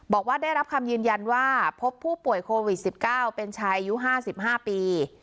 บอกว่าได้รับคำยืนยันว่าพบผู้ป่วยโควิด๑๙เป็นชายอายุ๕๕ปี